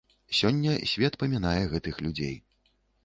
Сёння свет памінае гэтых людзей.